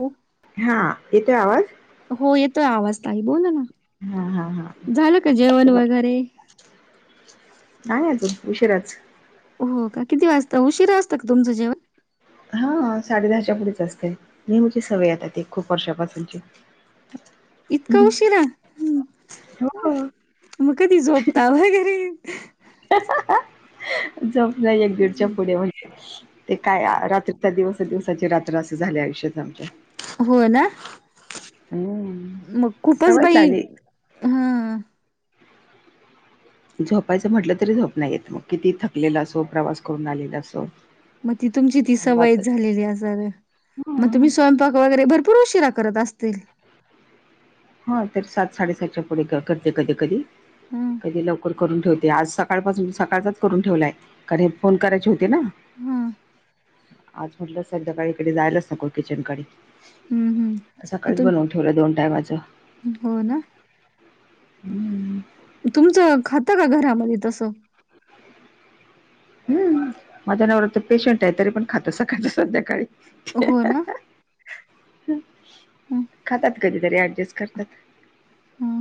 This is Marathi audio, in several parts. हो हा येतोय आवाज? हो येतोय आवाज ताई बोलाना हा हा हा झालं का जेवण वगैरे? नाही अ तून उशीिराच हो का किती वाजतां उशिरा असतं का तुमचं जेवण हा साडे दहाच्या पुढेच असते नेहमीची सवय ती खूप वर्षापासूनची इतकां उशीिरा हो मग कधी झोपता वगैरे झोप नाही एक दीडच्या पुढे म्हणजे ते काय रात्रीचा दिवस दिवसाची रात्र असे झाली आयुष्यात आमच्या हो ना हम्म मग खूपच सवयच बाई लागली हा झोपायचं म्हटलं तरी झोप नाही येत मग किती थकलेलं असो प्रवास करून आलेला असो मग ती तुमची ती सवईत वाच झालेली असा मग तुम्ही स्वयं क वगैरे भरपूर उशशीरा करत असतील हा तर सात साडेसातच्या पुढे करते कधी कधी ह ह कधी लव क करून ठेवते आज सकाळपासून सकाळचाच करून ठेवलाय कारण हे फोन करायचे होते ना हम्म आज म्हटलं सध्याकाळी इकडे जायलाच नको किचन कडे हम्म मग सकाळीच तुम बनवून ठेवलं दोन टायमाचं हो ना हम्म तुमचं खातं का घरामध्ये तसं हम् माझ्या नववरात तर पेशंट आहे तरी पण खातो सकाायचं संध्याकाळी हो ना हम् खातात कधीतरी ऍडजस्ट करतात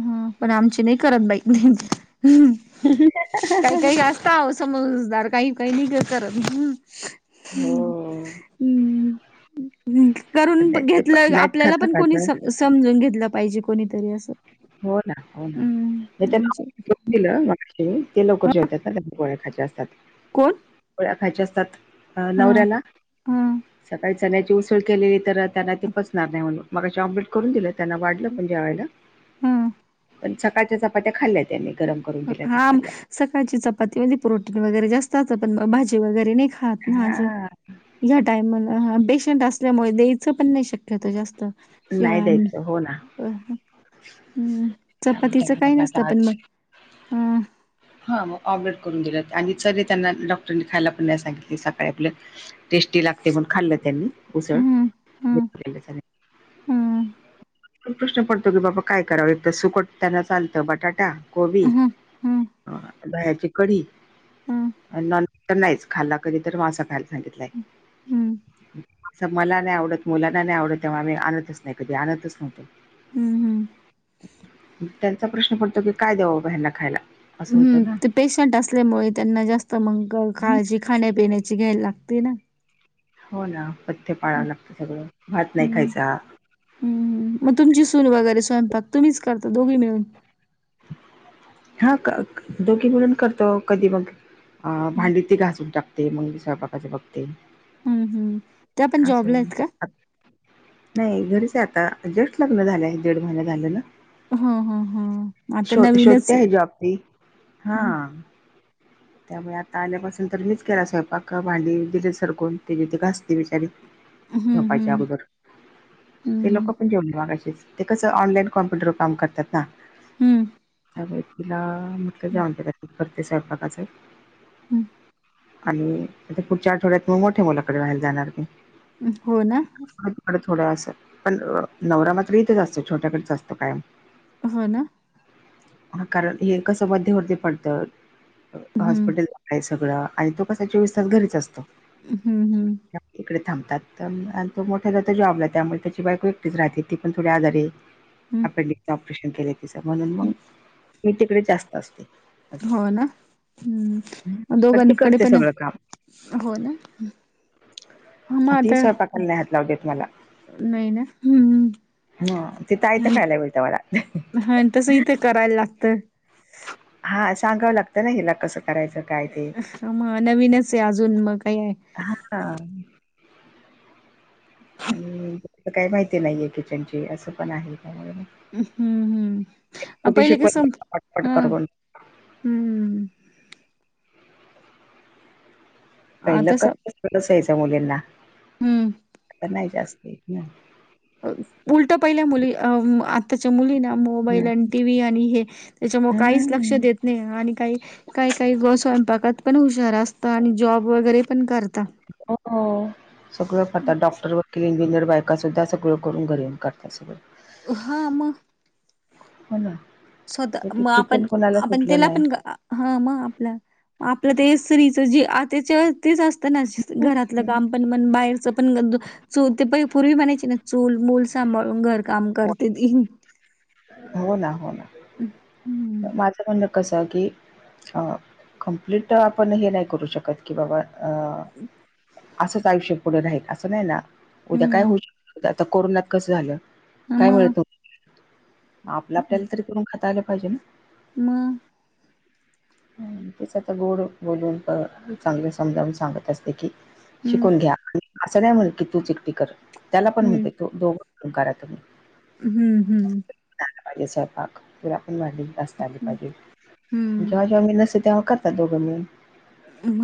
ह पण आमची नाही करत बाई नाही काही काही अस का समजदार काही काही नि का करत हम् हो करून नाही ते पण घेतलं नाहीत आपल्याला खात पण कोणी आता समजून घेतलं पाहिजे कोणीतरी असं हो ना हो ना हम्म त्या आमचे दिलं ते लवकर जे होतात ना गोळ्याखायचे असतात कोण गोळ्या खायच्या असतात अ हा नवऱ्याला हा सकाळी चनची उसळ केलेली तर त्यांना ते पचणार नाही म्हणून मगाशी आम्प्लेट करून दिलं त्यांना वाढलं पण जेवाला हम् पण सकाळच्या चपात्या खाल्ल्या त्यांनी गरम करून दिल्या तर हा खाल्ल्या सकाळची चपातीमध्येे प्रोटीन वगैरे जास्तात पण भाजी वगैरे नाही हा ना सर हां ह्या टाइमला पेशंट असल्यामुळे द्यायचं पण नाही शकत ्या जास्त शेळ नाही अन्न द्यायचं हो ना हम् त्यामुळे चपातीचं त्यांना काही म्हटलं नसतं आता पण आज मग ह हां आमलेटकरून दिले आणि चरी त्यांना डॉक्टरनी खायला पण नाही सांगितली सकाळी आपलं टेस्टी लागते म्हण खाल्लं त्यांनी उसळ ह ह ह पण प्रश्न पडतो की बाबा काय करावं एकत सुकट त्यांना चालतं बटाटा कोबी ह दह्याची कढी हम्म नॉन तर नाहीच खाल्ला कधी तर म अस खायला सांगितलंय हम्म असं मला नाही आवडत मुलाना नाही आवडत तेव्हा आम्ही आणतच नाही कधी आणतच नव्हतो हम्म हम्म त्यांचा प्रश्न पडतो की काय द्याव बाबा ह्यांना खायला असं होतं हम्म ना ते पेशंट असल्यामुळे त्यांना जास्त मग काळजी खाण्यापिण्याची घ्यायला लागते ना हो ना पथ्य पाळावं लागतं सगळं भात नाही खायाचा हम् मग तुमची सून वगैरे स्वयंपाक तुम्हीच करता दोघी मिळून हा का दोघी म्हणून करतो कधी मग भांडी ती घासून टाकते मंगी [unintelligible] स्वयंपाकाच्या बघते हम्म हम्म त्या पण जॉबला असंय आहेत का? नाही घरीच आता जस्ट लग्न झाले आहे दीड महिन झालेलं हम हम हम शो शोधते आहे जॉबती हा हम्म त्यामुळे आता आल्यापासून तर मीच केला स्वयंपाक भांडी दिली सरकून ते जे ते घासते बिचारी झोपायच्या हम्म अगोदर ते लोक हम्म पण जेवन [unintelligible] मघाशीश ते कसं ऑनलाईन कॉम्प्युटरवर काम करतात ना हम्म त्यावे तिला म जाऊनते करते स्वयंपाकाचं हम्म आणि आता पुढच्या आठवड्यात मोठ्या मुलाकडे व्हायला जाणार की हो ना थोड्या असं पण नवरा मात्र इथे असतो छोट्याकडेच असतो कायम हो ना ह कारण हे कसं मध्यवर्ती पडतं हम्म हॉस्पिटल आहे सगळं आणि तो कसा चोवीस तास घरीच असतो हम्म हम् इकडे थांबतात आणि त मोठ्या ज जॉबला त्यामुळे त्याची बायको एकटीच राहते ती पण थोडी आजारी हम्म अपेंडिकच ऑपरेशन केले तिच म्हणून मग मी तिकडे जास्त असते हो ना पण ती दोघांकडे करते पण सगळं काम हो ना हां, मग तीस आता स्वयंपाकाला नाही हात लाऊ देत मला नाही ना हम्म हा तेिथह्यात [unintelligible] खायला मिेळत मला हा तसं इथे करायला लागतं हा सांगावं लागतं ना हिला कसं करायचं काय ते मग नवीनच आहे अजून मग काय आहे [unintelligible] हा का आणि काही माहिती नाहीय आहे किचन ची असं पण आहे त्यामुळ हम्म हम्म आ पहिले कस शिकवत पटपट हा करून हम्म पहिलं तस कस असयचं मुलींना हम्म नाही जास्त उलट पहिल्या मुली आत्ताच्या मुली ना ना मोबाईल आणि टी व्ही आणि हे त्याच्यामुळ काहीच लक्ष हम्म देत नाही आणि काही काही काही गोष्ट [unintelligible] स्वयंपाकात पण हुशार असतात आणि जॉब वगैरे पण करता हो सगळं करतात डॉक्टर वकील इंजिनियर बायका सुद्धा सगळं करून घरी येऊन करतात सगळ हा मग होना स्वतः मग आपण आपण त्याला नाही पण हा मग आपल्या आपलं ते स्त्रीच जी आत्य [unintelligible] तेच असत. घरातलं काम पण म्हन बाहेरचं पण च ते प पूर्वी म्हणायची ना चूल मुल सांभाळून घर काम करते ती. हो ना हो ना हम्म माझं म्हणं कसंय की कमप्लीट आपण हे नाही करू शकत कि बाबा अ असंच आयुष्य पुढे राहील असं नाही ना उद्या काय हम्म होऊ शकत आता कोरोनात कसं झालं काय मग मिळत आपलं आपल्याला तरी करून खातायला पाहिजे ना म त्याचा तर गोड बोलून चांगले समजावून सांगत असते की, हम्म शिकून घ्या आणि असं नाही म्हण की तू च एकटि कर त्याला पण म्हणते तो दोघं दोघं करा तुम्ही हं हं चागला पाहिजेत स्वंयपाक तर आपण भांडी घासता आली असता पाहिजे हं जेव्हा जेव्हा मी नसते तेव्हा करतात दोघं मिळुन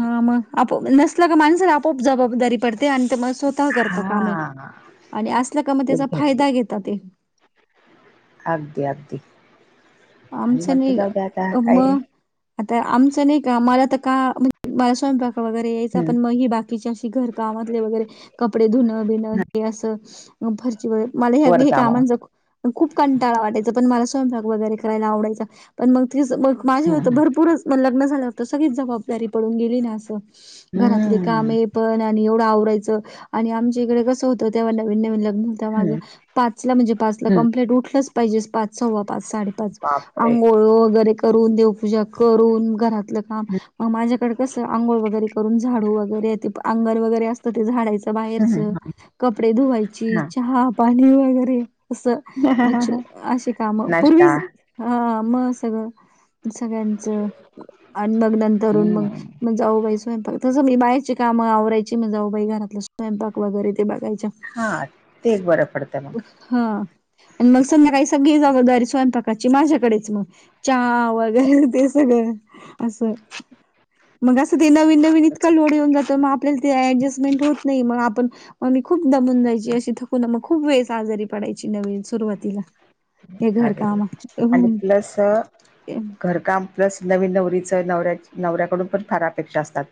ह मग आपोप नसला का माणसाला आपोआप जबाबदारी पडते आणि [unintelligible] करता कामे हां. आणि असल्या का म त्याचा एक्झॅक्टली. फायदा घेेतात ते अगदी अगदी आणि आमचं म्हटलं नाही जाऊ द्या आता काय मग आता आमचं नाही का मला तर का म्हणजे मला स्वयंपाक वगैरे यायचं हं. पण मग बाकीच्या अशी घर कामे वगैरे कपडे धुणं बिण हं. हे असं फरशी वर वर मला कामं. कामांचा खूप कंटाळा वाटयचां पण मला स्वयंपाक वगैरे करायला आवडायचा पण मग माझे हं, हं. भरपूरच लग्न झाल्यावर होत सगळीच जबाबदारी पडून गेली ना असं घरात काम हं. आहे पण आणि एवढं आवरायचं आणि आमच्या इकडे कसं होतं तेव्हा नवीन नवीन लग्न होतं माझं हं. पाचला म्हणजे पाचला हं. कम्प्लीट उठलंच पाहिजे पाच, सव्वा पाच, साडेपाच बापरे! आंघोळ वगैरे करून देवपूजा करून घरातलं काम मग माझ्याकडे कसं आंघोळ वगैरे करून झाडू वगैरे ते अंगण वगैरे असतं ते झाडायचं हं, हं. बाहेरचं कपडे धुवायची, हां. चहा पाणी वगैरे असं म्ह अशी काम पूर्वी नाश्ता. हा मग सगळं सगळ्यांचं आणि मग नंतरून मग हं. मग जाऊबाई स्वयंपाक मी बाहेरची काम आवरायची मी जाऊ बाई घरातला स्वयंपाक वगैरे ते बघायच्या हा ते एक बरं पडतं मग हा आणि मग संध्याकाळी काही सगळी जबाबदारी स्वयंपाक संध्याकाळची माझ्याकडेच मग चहा वगैरे ते सगळं असं मग असं ते नवीन नवीन इतका तसं. लोड येऊन जातो मग आपल्याला ते ॲडजस्टमेंट होत नाही मग आपण मग मी खूप दमून जायची अशी थकून मग खूप वेळेस आजारी पडायची नवीन सुरुवातीला ते घर अरे! कामात आणि प्लस घरकाम प्लस नवीन नवरीचं नवऱ्या नवऱ्याकडून पण फार अपेक्षा असतात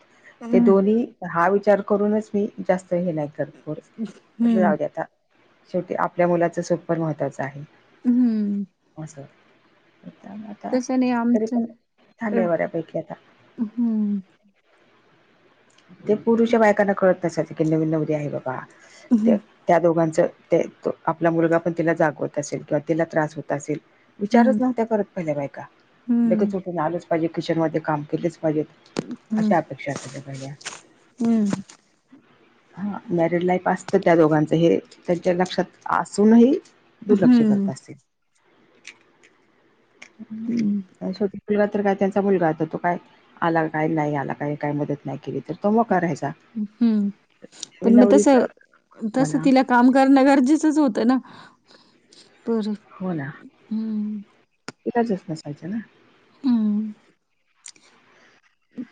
ते दोन्ही हा विचार करूनच मी जास्त हे नाही करत फोर्स म्हटंल हम्म जावुद्या आता शेवटी आपल्या मुलाचं सुख पण महत्त्वाचं आहे. हं आता तसं नाही तरी आमचं पण चालंय बऱ्यापैकी आता हम्म ते पुर्वीच्या बायकांना कळत नसते की नवीन नवरी आहे बाबा हम्म ती त्या दोघांच ते आपला मुलगा पण तिला जागवत असेल किंवा तिला त्रास होत असेल विचारच हम्म नव्हत्या करत पहिल्या बायका हम्म लगेच उठून आलंच पाहिजे किचनमध्ये काम केलंच पाहिजेत. अशा अपेक्षा असाच्या पहिल्या हं ह [unintelligible] हा मॅरिड लाईफ असतं त्या दोघांचं हे त्यांच्या लक्षात असूनही दुर्लक्ष करत हम्म असेल हम्म छोटी मुलगा तर काय त्यांचा मुलगा आता तो काय आला काय नाही आला काय काय मदत नाही केली तर तो मग कारायचा हम्म पण मग तस तस म्हणा तिला काम करणं गरजेचंच होतं ना ब हो ना तचच नसायचं ना हं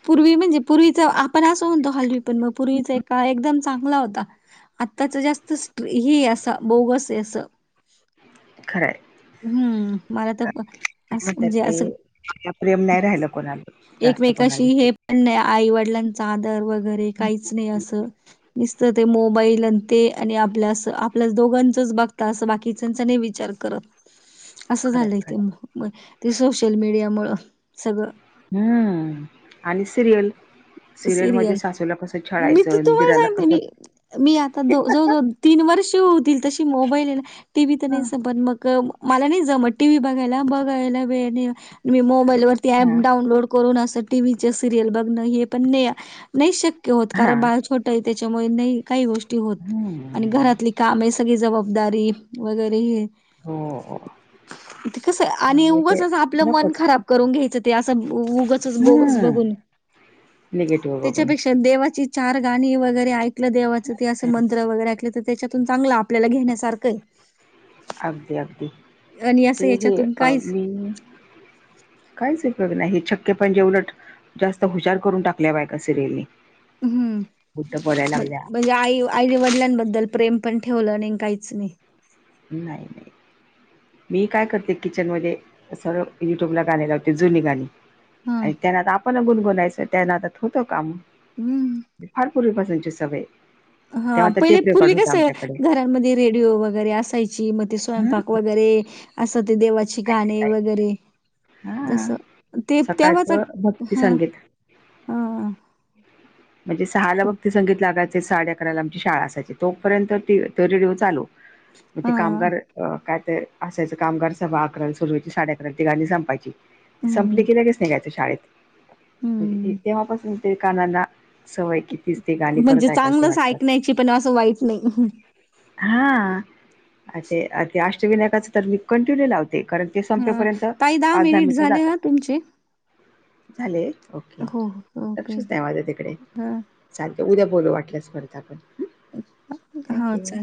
पूर्वी म्हणजे पूर्वीच आपण असं म्हणतो हलवी पण मग पूर्वीच एक काळ एकदमच चांगला होता आताच जास्त स्ट हे असा बोगसय अस खरंय हम्म मला तर ब असं म्हणतात म्हणजे ते असं आता प्रेम नाही राहिलं कोणाला. जास्त एकमेकाशी कोणाविषयी हे पण नाही आईवडिलांचा आदर वगैरे काहीच नाही असं. दिसत ते मोबाईल अ ते आणि आपल्यास आपल्या दोघांचच बघता असं बाकी त्यांचा नाही विचार करत. [inaudible] असं झालंय ते खरं म ते सोशल मीडिया मुळ सगळं. हम्म आणि सिरियल. सिरियल मध्ये सासूला कसं मी तर छळायचं तुम्हाला ईदिराला सांगते कस मी मी आता दो जवळ जवळ तीन वर्ष होतील तशी मोबाईल आहे ना टीव्ही तर हा नाही स पण मग मला नाही जमत टी व्ही बघायला बघायला वेळ नई मी मोबाईल वरती ऍप हा डाऊनलोड कोरोना अस टीव्हीचे सिरियल बघणं हे पण नाही नाही शक्य होत हा कारण बाळ छोटंय त्याच्यामुळे नाही काही गोष्टी होत आणि हम्म घरातली काम आहे सगळी जबाबदारी वगैरे हे - - हो. [inaudible] कसं आणि त्यामुळे ते उगंचच आपलं मन नकोच खराब करून घ्यायचं ते असं उगचच बोगस बघून. निगेटिव बघून. त्याच्यापेक्षा देवाची चार गाणी वगैरे ऐकलं देवाचं ते असं मंत्र वगैरे ऐकलं तर ते त्याच्यातून चांगलं आपल्याला घेण्यासारखय. अगदी अगदी आणि ते असं हे याच्यातून अ काहीच मी कायच उपयोग नाही हे छक्के पणजे उलट जास्त हुशार करून टाकल्या बायका सिरियलनी. उलट बोलायला हम्म लागल्या म्हंजे आई आई वडिलांबद्दल प्रेम पण ठेवलं नाही आणि काहीच नाही. नाही नाही. मी काय करते किचन मध्ये सर्व युट्यूबला गाणी लावते जुनी गाणी हा. आणि त्यांनादा आपण गुणगुनायचं त्या नादात होतो काम. हम्म फार पूर्वी पासूनची सवय हा तेव्हा तर पहिले टेप रेकॉर्ड पूर्वी होता कस आमच्याकडे घरमध्ये रेडिओ वगैरे असायची मग ते स्वयंपाक वगैरे असं ते देवाची ची गाणी वगैरे हा तस ते तेव्हाच सकाळचं भक्ती ह. संगीत हा. म्हणजे सहाला भक्ती संगीत लागायचे साडे अकरा ला आमची शाळा असायची तोपर्यंत तो ते रेडिओ चालू. मग हा ते कामगार अ काय तर असायचं कामगार सभा अकराला सुरु व्हायची साडे अकराल तो गाणी संपायची संपली हम्म की लगेच नीघायचं शाळेत. हम्म तेव्हापासून ते कानाला सवय की तीच ती गाणी म्हणजे परत ऐकायची चांगलंच वाटतात. ऐकण्याची पण असं वाईट नाही. हां ते, अष्टविनायकाच तर मी कंटिन्यू लावते, कारणऽ ते हा संपेपर्यंत ताई पाच दहा मिनिट मिट झाले जातात. ना तुमचे झाले ओके हो हो ओके लक्षच नाही माझ तिकडे. हा चालत उद्या चालेल बोलू वाटल्यास परत आपण हम्म हा थँक्यू. चालेल